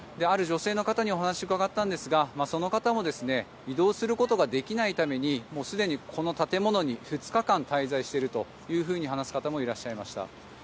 ある女性の方にお話を伺ったんですがその方も移動することができないためにすでにこの建物に２日間滞在していると話す方もいらっしゃいました。